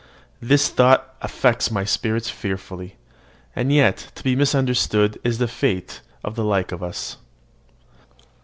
this thought affects my spirits fearfully. And yet to be misunderstood is the fate of the like of us.